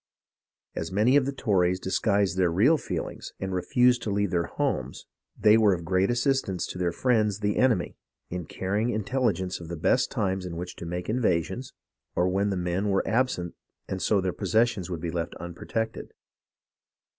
As many of the Tories disguised their real feelings and re fused to leave their homes, they were of great assistance to their friends the enemy, in carrying intelligence of the best times in which to make invasions, or when the men were absent and so their possessions would be left unpro tected.